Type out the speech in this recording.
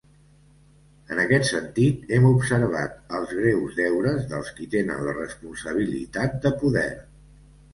En aquest sentit, hem observat els greus deures dels qui tenen la responsabilitat de poder.